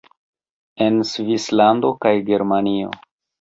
En Svislando kaj Germanio